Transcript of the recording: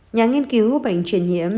nhà nghiên cứu bệnh truyền nhiễm